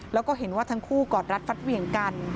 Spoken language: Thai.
แล้วก็เห็นว่าทั้งคู่กอดรัดฟัดเหวี่ยงกัน